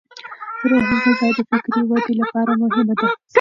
روحي غذا د فکري ودې لپاره مهمه ده.